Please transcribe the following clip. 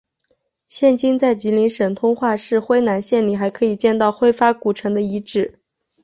现今在吉林省通化市辉南县里还可以见到辉发古城的遗址。